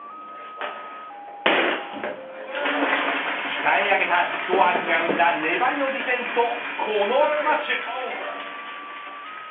鍛え上げたフットワークが生んだ粘りのディフェンスとこのスマッシュ。